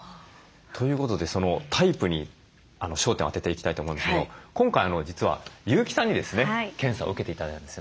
ということでタイプに焦点を当てていきたいと思うんですけど今回実は優木さんにですね検査を受けて頂いたんですよね。